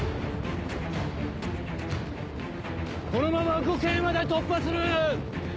このまま呉慶まで突破する！